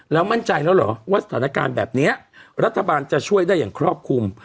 แล้วมั่นใจแล้วเหรอว่าสถานการณ์แบบนี้รัฐบาลจะช่วยได้อย่างครอบคลุม